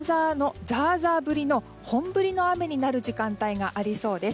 特に東海や関東地方はザーザー降りの本降りの雨になる時間帯がありそうです。